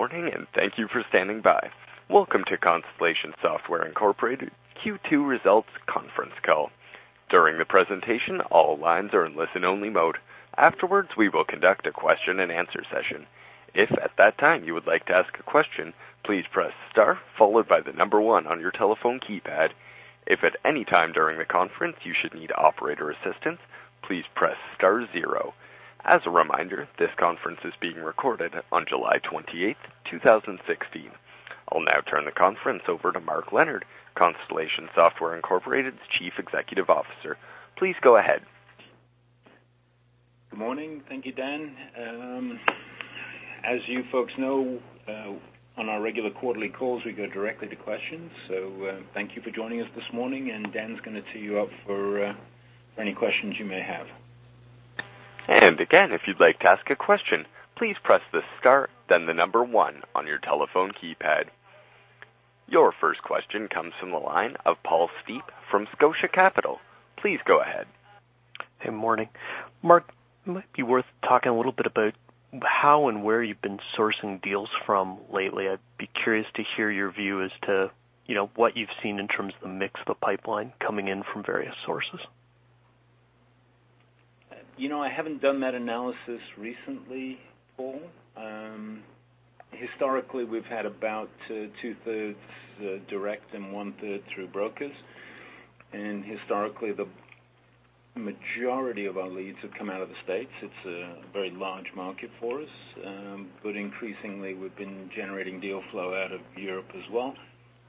Good morning, and thank you for standing by. Welcome to Constellation Software Inc. Q2 Results Conference Call. During the presentation, all lines are in listen-only mode. Afterwards, we will conduct a question-and-answer session. If at that time you would like to ask a question, please press star followed by the number one on your telephone keypad. If at any time during the conference you should need operator assistance, please press star zero. As a reminder, this conference is being recorded on July 28th, 2016. I'll now turn the conference over to Mark Leonard, Constellation Software Inc.'s Chief Executive Officer. Please go ahead. Good morning. Thank you, Dan. As you folks know, on our regular quarterly calls, we go directly to questions. Thank you for joining us this morning, and Dan's gonna tee you up for any questions you may have. Again, if you'd like to ask a question, please press the star, then the number one on your telephone keypad. Your first question comes from the line of Paul Steep from Scotia Capital. Please go ahead. Good morning. Mark, it might be worth talking a little bit about how and where you've been sourcing deals from lately. I'd be curious to hear your view as to, you know, what you've seen in terms of the mix of the pipeline coming in from various sources. You know, I haven't done that analysis recently, Paul. Historically, we've had about 2/3 direct and 1/3 through brokers. Historically, the majority of our leads have come out of the States. It's a very large market for us. Increasingly, we've been generating deal flow out of Europe as well,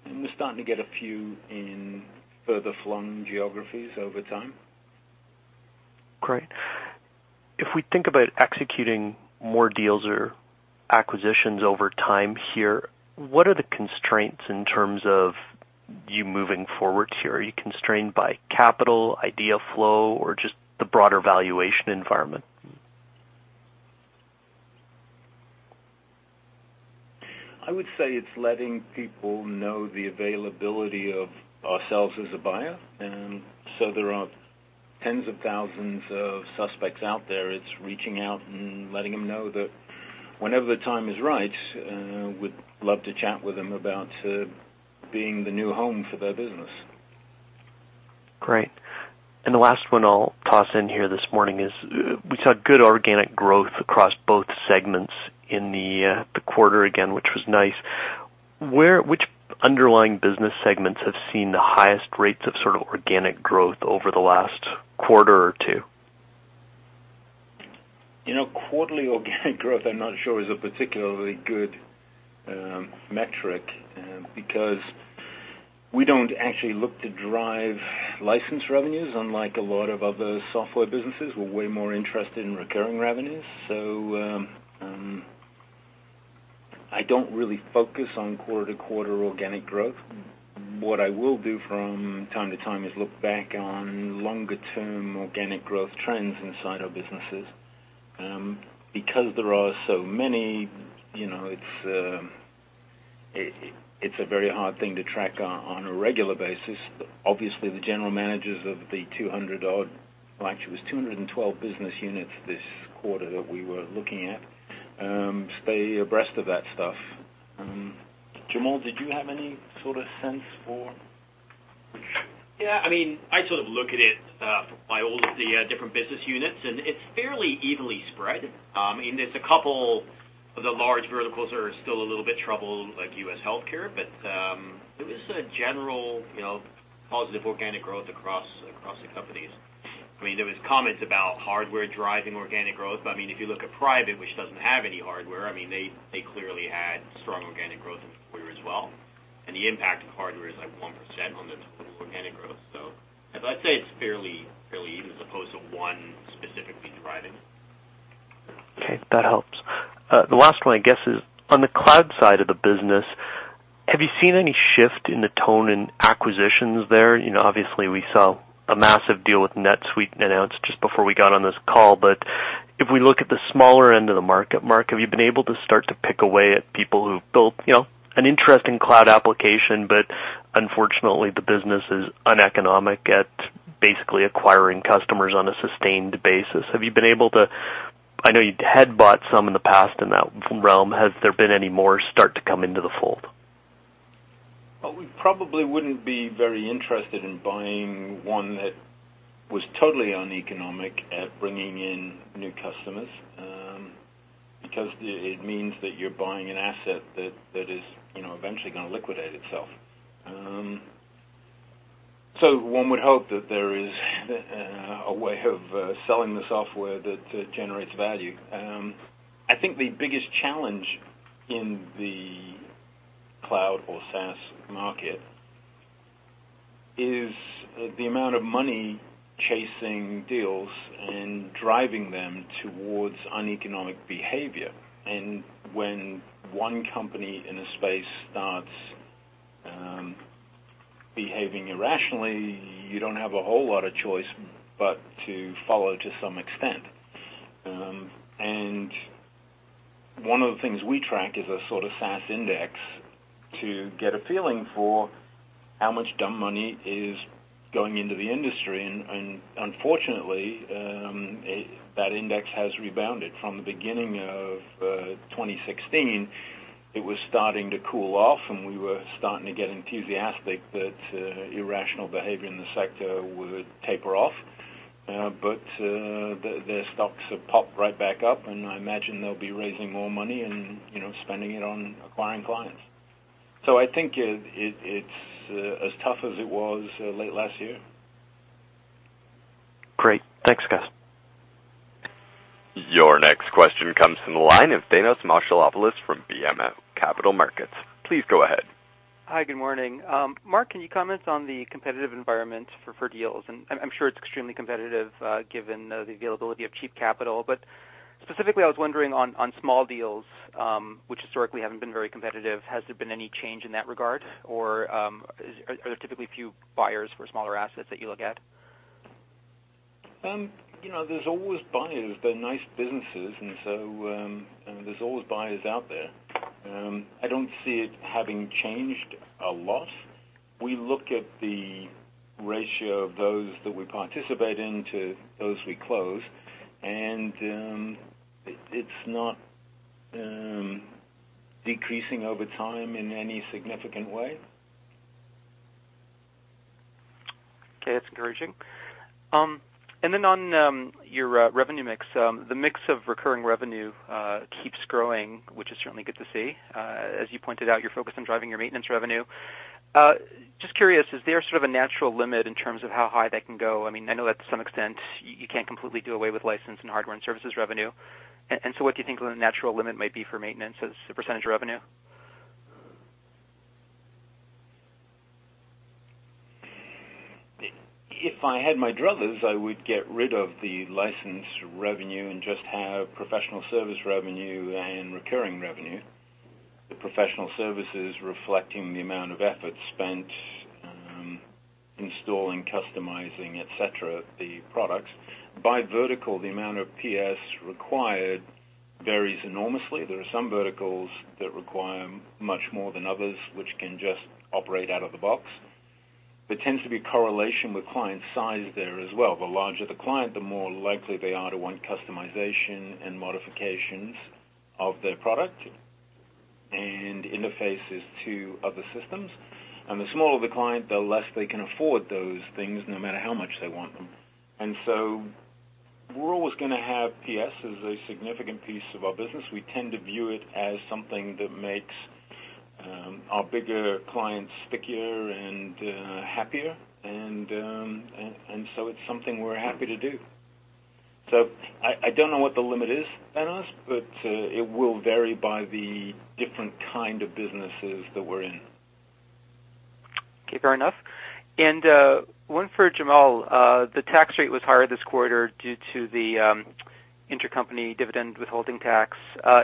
and we're starting to get a few in further flung geographies over time. Great. If we think about executing more deals or acquisitions over time here, what are the constraints in terms of you moving forward here? Are you constrained by capital, idea flow, or just the broader valuation environment? I would say it's letting people know the availability of ourselves as a buyer. There are tens of thousands of suspects out there. It's reaching out and letting them know that whenever the time is right, we'd love to chat with them about being the new home for their business. Great. The last one I'll toss in here this morning is, we saw good organic growth across both segments in the quarter again, which was nice. Which underlying business segments have seen the highest rates of sort of organic growth over the last quarter or two? You know, quarterly organic growth, I'm not sure, is a particularly good metric, because we don't actually look to drive license revenues, unlike a lot of other software businesses. We're way more interested in recurring revenues. I don't really focus on quarter-to-quarter organic growth. What I will do from time to time is look back on longer term organic growth trends inside our businesses. Because there are so many, you know, it's a very hard thing to track on a regular basis. Obviously, the general managers of the 200 odd Well, actually, it was 212 business units this quarter that we were looking at, stay abreast of that stuff. Jamal, did you have any sort of sense for? Yeah, I mean, I sort of look at it, by all of the different business units, and it's fairly evenly spread. There's a couple of the large verticals are still a little bit troubled, like U.S. healthcare, but there is a general, you know, positive organic growth across the companies. I mean, there was comments about hardware driving organic growth, but I mean, if you look at private, which doesn't have any hardware, I mean they clearly had strong organic growth in the quarter as well. The impact of hardware is, like, 1% on the total organic growth. So, I'd say it's fairly even as opposed to one specifically driving. Okay, that helps. The last one, I guess, is on the cloud side of the business, have you seen any shift in the tone in acquisitions there? You know, obviously we saw a massive deal with NetSuite announced just before we got on this call. If we look at the smaller end of the market, Mark, have you been able to start to pick away at people who've built, you know, an interesting cloud application, but unfortunately, the business is uneconomic at basically acquiring customers on a sustained basis? Have you been able to I know you had bought some in the past in that realm. Has there been any more start to come into the fold? We probably wouldn't be very interested in buying one that was totally uneconomic at bringing in new customers, because it means that you're buying an asset that is, you know, eventually gonna liquidate itself. One would hope that there is a way of selling the software that generates value. I think the biggest challenge in the cloud or SaaS market is the amount of money chasing deals and driving them towards uneconomic behavior. When one company in a space starts behaving irrationally, you don't have a whole lot of choice but to follow to some extent. One of the things we track is a sort of SaaS index. To get a feeling for how much dumb money is going into the industry. Unfortunately, that index has rebounded. From the beginning of 2016, it was starting to cool off, and we were starting to get enthusiastic that irrational behavior in the sector would taper off. Their stocks have popped right back up, and I imagine they'll be raising more money and, you know, spending it on acquiring clients. I think it, it's as tough as it was late last year. Great. Thanks, guys. Your next question comes from the line of Thanos Moschopoulos from BMO Capital Markets. Please go ahead. Hi, good morning. Mark, can you comment on the competitive environment for deals? I'm sure it's extremely competitive, given the availability of cheap capital. Specifically, I was wondering on small deals, which historically haven't been very competitive, has there been any change in that regard? Are there typically few buyers for smaller assets that you look at? You know, there's always buyers. They're nice businesses. There's always buyers out there. I don't see it having changed a lot. We look at the ratio of those that we participate in to those we close. It's not decreasing over time in any significant way. Okay, that's encouraging. Then on your revenue mix, the mix of recurring revenue keeps growing, which is certainly good to see. As you pointed out, you're focused on driving your maintenance revenue. Just curious, is there sort of a natural limit in terms of how high that can go? I mean, I know that to some extent you can't completely do away with license and hardware and services revenue. What do you think the natural limit might be for maintenance as a percent of revenue? If I had my druthers, I would get rid of the license revenue and just have professional service revenue and recurring revenue. The professional services reflecting the amount of effort spent installing, customizing, et cetera, the products. By vertical, the amount of PS required varies enormously. There are some verticals that require much more than others, which can just operate out of the box. There tends to be correlation with client size there as well. The larger the client, the more likely they are to want customization and modifications of their product and interfaces to other systems. The smaller the client, the less they can afford those things, no matter how much they want them. We're always going to have PS as a significant piece of our business. We tend to view it as something that makes our bigger clients stickier and happier. It's something we're happy to do. I don't know what the limit is, Thanos, but it will vary by the different kind of businesses that we're in. Okay, fair enough. One for Jamal. The tax rate was higher this quarter due to the intercompany dividend withholding tax.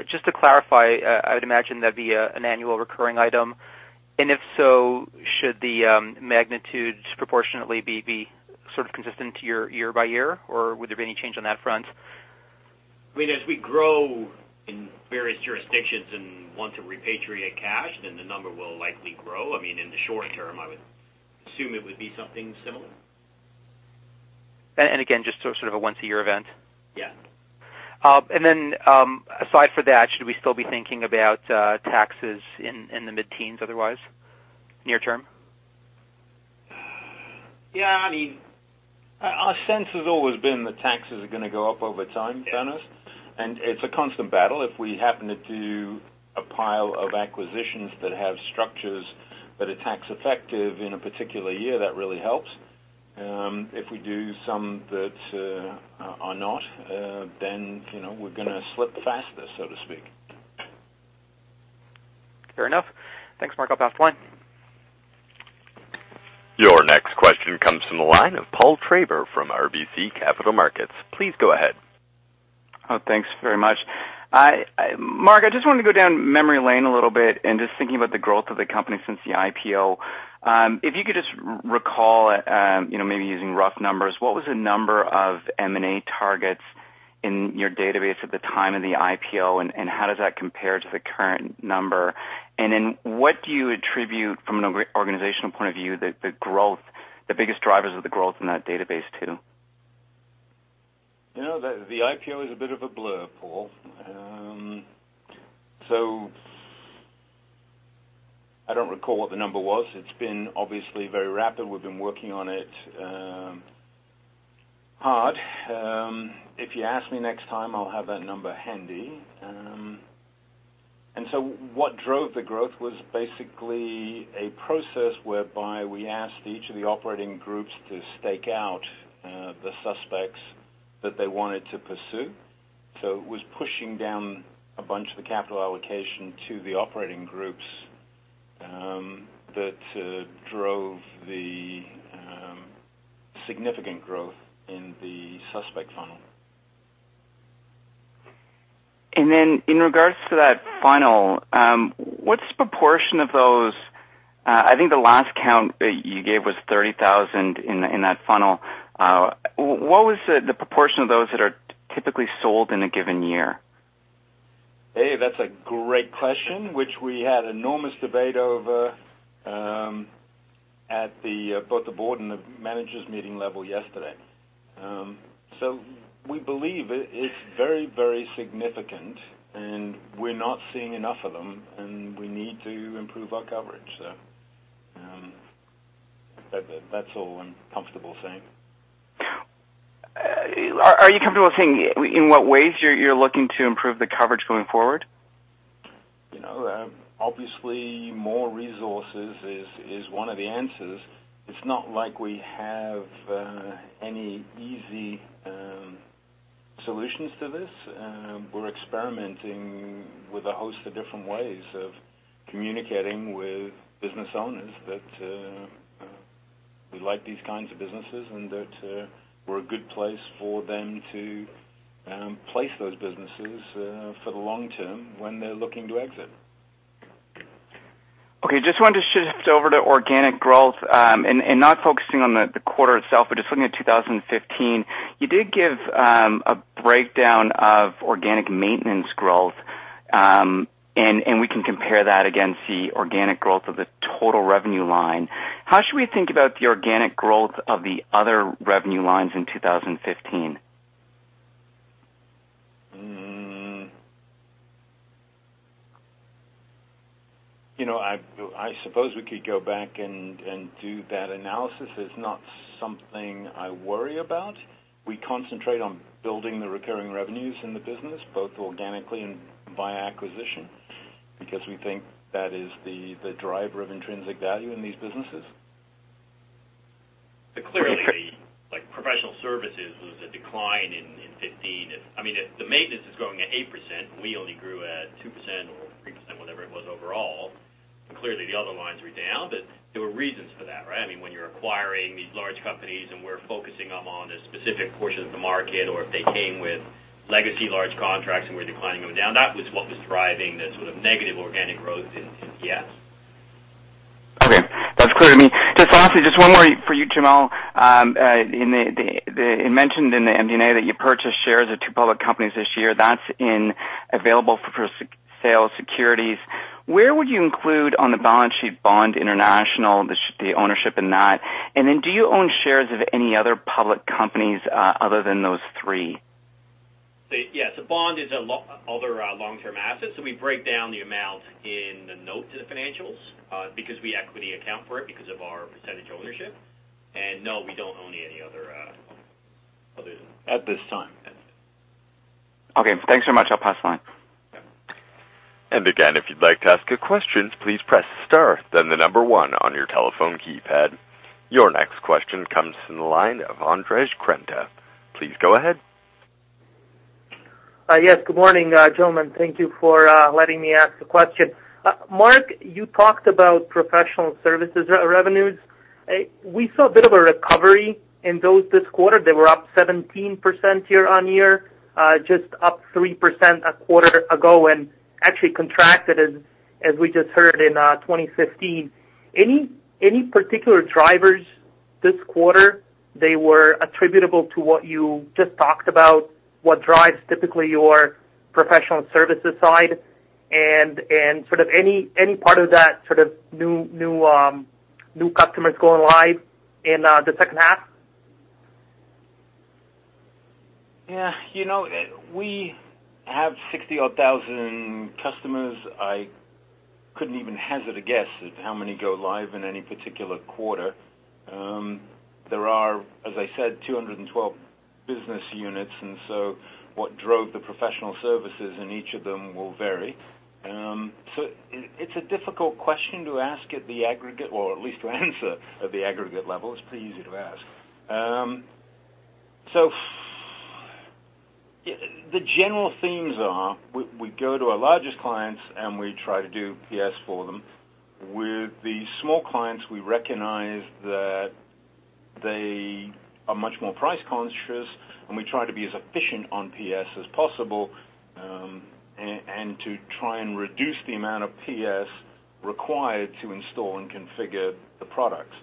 Just to clarify, I would imagine that'd be an annual recurring item. If so, should the magnitudes proportionately be sort of consistent year by year, or would there be any change on that front? I mean, as we grow in various jurisdictions and want to repatriate cash, then the number will likely grow. I mean, in the short term, I would assume it would be something similar. Again, just so sort of a once-a-year event? Yeah. Aside for that, should we still be thinking about taxes in the mid-teens otherwise, near term? Yeah, I mean, our sense has always been that taxes are gonna go up over time, Thanos. Yeah. It's a constant battle. If we happen to do a pile of acquisitions that have structures that are tax effective in a particular year, that really helps. If we do some that are not, then, you know, we're gonna slip faster, so to speak. Fair enough. Thanks, Mark. I'll pass the line. Your next question comes from the line of Paul Treiber from RBC Capital Markets. Please go ahead. Oh, thanks very much. Mark, I just wanted to go down memory lane a little bit and just thinking about the growth of the company since the IPO. If you could just recall, you know, maybe using rough numbers, what was the number of M&A targets in your database at the time of the IPO, and how does that compare to the current number? Then what do you attribute from an organizational point of view, the growth, the biggest drivers of the growth in that database too? You know, the IPO is a bit of a blur, Paul. I don't recall what the number was. It's been obviously very rapid. We've been working on it, hard. If you ask me next time, I'll have that number handy. What drove the growth was basically a process whereby we asked each of the operating groups to stake out, the suspects that they wanted to pursue. It was pushing down a bunch of the capital allocation to the operating groups, that drove the significant growth in the suspect funnel. In regards to that funnel, I think the last count that you gave was 30,000 in that funnel. What was the proportion of those that are typically sold in a given year? Hey, that's a great question, which we had enormous debate over, at both the board and the managers meeting level yesterday. We believe it's very, very significant, and we're not seeing enough of them, and we need to improve our coverage. That's all I'm comfortable saying. Are you comfortable saying in what ways you're looking to improve the coverage going forward? You know, obviously more resources is one of the answers. It's not like we have any easy solutions to this. We're experimenting with a host of different ways of communicating with business owners that we like these kinds of businesses and that we're a good place for them to place those businesses for the long term when they're looking to exit. Okay. Just wanted to shift over to organic growth, and not focusing on the quarter itself, but just looking at 2015. You did give a breakdown of organic maintenance growth, and we can compare that against the organic growth of the total revenue line. How should we think about the organic growth of the other revenue lines in 2015? You know, I suppose we could go back and do that analysis. It's not something I worry about. We concentrate on building the recurring revenues in the business, both organically and via acquisition, because we think that is the driver of intrinsic value in these businesses. Clearly, like professional services was a decline in 2015. I mean, if the maintenance is growing at 8%, and we only grew at 2% or 3%, whatever it was overall, clearly the other lines were down. There were reasons for that, right? I mean, when you're acquiring these large companies, and we're focusing them on a specific portion of the market, or if they came with legacy large contracts, and we're declining them down, that was what was driving the sort of negative organic growth in PS. Okay. That's clear to me. Just lastly, just one more for you, Jamal. It mentioned in the MD&A that you purchased shares of two public companies this year. That's in available for sale securities. Where would you include on the balance sheet Bond International, the ownership in that? Do you own shares of any other public companies, other than those three? Yes. The Bond is a other long-term asset, so we break down the amount in the note to the financials because we equity account for it because of our percentage ownership. No, we don't own any other. At this time. At this time. Okay. Thanks very much. I'll pass the line. Again, if you'd like to ask a question, please press star then the number one on your telephone keypad. Your next question comes from the line of Andres Krenta. Please go ahead. Yes. Good morning, gentlemen. Thank you for letting me ask a question. Mark, you talked about professional services revenues. We saw a bit of a recovery in those this quarter. They were up 17% year-over-year, just up 3% a quarter ago, and actually contracted as we just heard in 2015. Any particular drivers this quarter that were attributable to what you just talked about, what drives typically your professional services side? And sort of any part of that sort of new customers going live in the second half? Yeah. You know, we have 60 odd thousand customers. I couldn't even hazard a guess at how many go live in any particular quarter. There are, as I said, 212 business units, what drove the professional services in each of them will vary. It's a difficult question to ask at the aggregate or at least to answer at the aggregate level. It's pretty easy to ask. The general themes are we go to our largest clients, we try to do PS for them. With the small clients, we recognize that they are much more price-conscious, we try to be as efficient on PS as possible, and to try and reduce the amount of PS required to install and configure the products.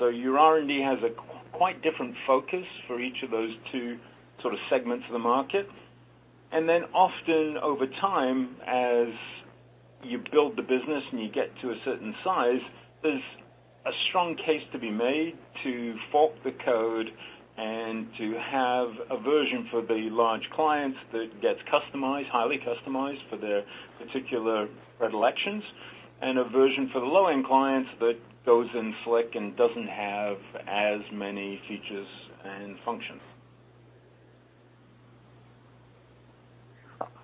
Your R&D has a quite different focus for each of those two sort of segments of the market. Often over time, as you build the business and you get to a certain size, there's a strong case to be made to fork the code and to have a version for the large clients that gets customized, highly customized for their particular predilections, and a version for the low-end clients that goes in slick and doesn't have as many features and functions.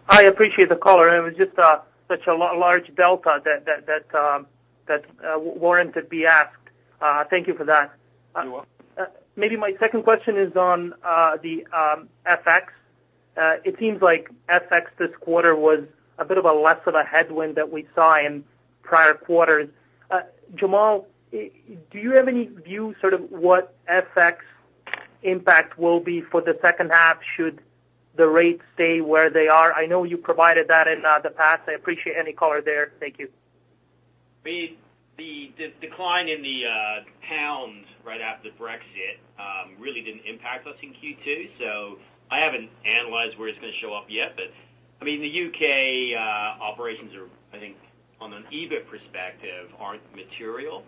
I appreciate the color. It was just a, such a large delta that warranted be asked. Thank you for that. You're welcome. Maybe my second question is on the FX. It seems like FX this quarter was a bit of a less of a headwind that we saw in prior quarters. Jamal, do you have any view sort of what FX-impact will be for the second half should the rates stay where they are? I know you provided that in the past. I appreciate any color there. Thank you. The decline in the pound right after Brexit really didn't impact us in Q2. I haven't analyzed where it's gonna show up yet. I mean, the U.K. operations are, I think, on an EBIT perspective, aren't material.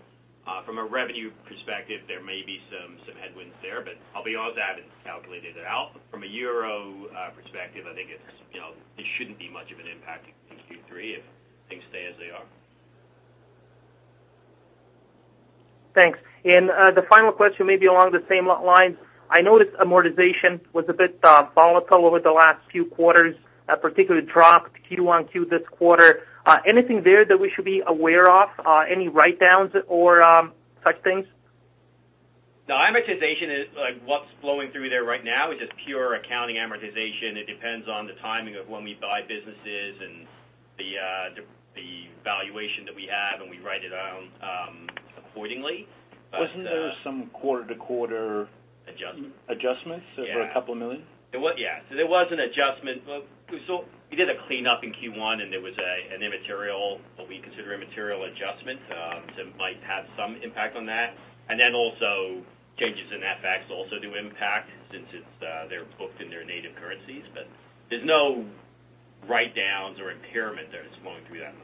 From a revenue perspective, there may be some headwinds there, I'll be honest, I haven't calculated it out. From a euro perspective, I think it's, you know, it shouldn't be much of an impact in Q3 if things stay as they are. Thanks. The final question may be along the same lines. I noticed amortization was a bit volatile over the last few quarters, particularly dropped Q1 to this quarter. Anything there that we should be aware of? Any write-downs or such things? No, amortization. Like, what's flowing through there right now is just pure accounting amortization. It depends on the timing of when we buy businesses and the valuation that we have, and we write it down accordingly. Wasn't there some quarter-to-quarter? Adjustment Adjustments of CAD a couple of million? Yeah. There was an adjustment. Well, we did a cleanup in Q1, and there was an immaterial, what we consider immaterial adjustment, that might have some impact on that. Then also changes in FX also do impact since it's, they're booked in their native currencies. There's no write-downs or impairment there that's flowing through that.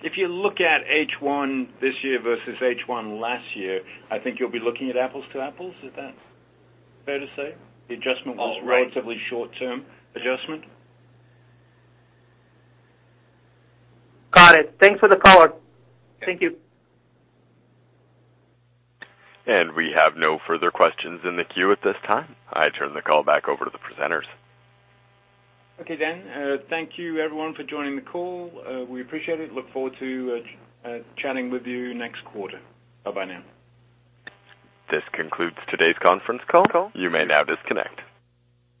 If you look at H1 this year versus H1 last year, I think you'll be looking at apples to apples. Is that fair to say? The adjustment was. Oh, right. Relatively short-term adjustment. Got it. Thanks for the color. Thank you. We have no further questions in the queue at this time. I turn the call back over to the presenters. Okay. Thank you everyone for joining the call. We appreciate it. Look forward to chatting with you next quarter. Bye-bye now. This concludes today's conference call. You may now disconnect.